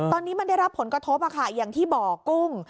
ตอนนี้มันได้รับผลกระทบอย่างที่บอกกุ้ง